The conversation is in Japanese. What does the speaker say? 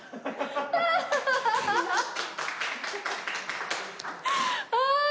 アハハハハ！ああ！